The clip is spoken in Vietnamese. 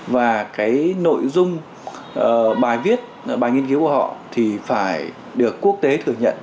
và cái nội dung bài viết bài nghiên cứu của họ thì phải được quốc tế thừa nhận